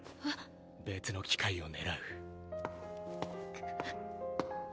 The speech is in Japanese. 別の機会を狙う。